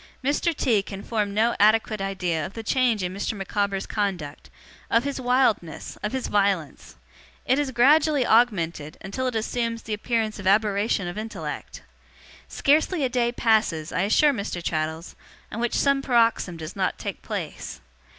Mr. T. can form no adequate idea of the change in Mr. Micawber's conduct, of his wildness, of his violence. It has gradually augmented, until it assumes the appearance of aberration of intellect. Scarcely a day passes, I assure Mr. Traddles, on which some paroxysm does not take place.